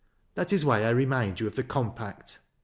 That is why I remind you of the compact."